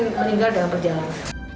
pasien meninggal dalam perjalanan